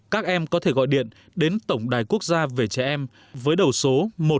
các em có thể gọi điện đến tổng đài quốc gia về trẻ em với đầu số một nghìn tám trăm linh một nghìn năm trăm sáu mươi bảy